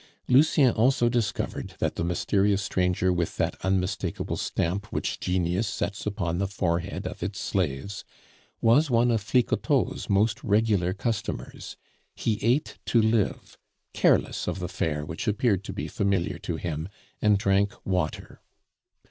Lucien also discovered that the mysterious stranger with that unmistakable stamp which genius sets upon the forehead of its slaves was one of Flicoteaux's most regular customers; he ate to live, careless of the fare which appeared to be familiar to him, and drank water.